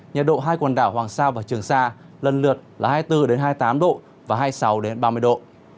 nhiệt độ hai quần đảo hoàng sa và trường sa lần lượt là hai mươi bốn hai mươi tám độ và hai mươi sáu ba mươi độ